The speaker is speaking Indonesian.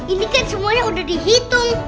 ini kan semuanya udah dihitung